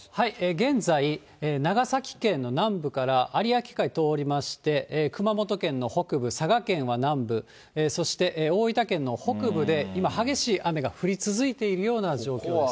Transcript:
現在、長崎県の南部から有明海通りまして、熊本県の北部、佐賀県は南部、そして大分県の北部で、今激しい雨が降り続いているような状況です。